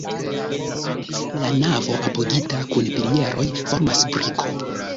La navo apogita kun pilieroj formas briko.